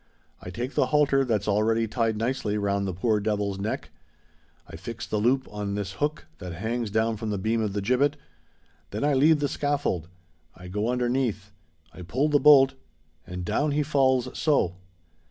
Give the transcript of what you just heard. I take the halter that's already tied nicely round the poor devil's neck—I fix the loop on this hook that hangs down from the beam of the gibbet—then I leave the scaffold—I go underneath—I pull the bolt—and down he falls so!"